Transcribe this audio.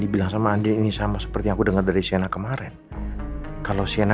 dibilang sama andi ini sama seperti aku dengar dari siana kemarin kalau siana